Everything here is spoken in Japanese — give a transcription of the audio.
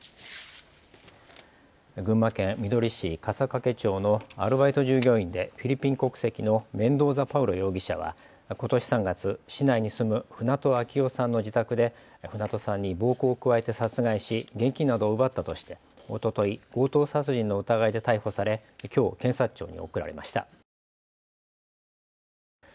群馬県みどり市笠懸町のアルバイト従業員でフィリピン国籍のメンドーザ・パウロ容疑者はことし３月、市内に住む船戸秋雄さんの自宅で船戸さんに暴行を加えて殺害し現金などを奪ったとしておととい強盗殺人の疑いで逮捕されきょう検察庁に送られました。